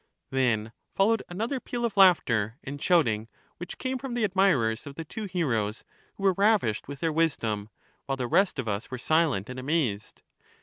Then followed another peal of laughter and shout ing, which came from the admirers of the two heroes, who were ravished with their wisdom, while the rest of us were silent and amazed.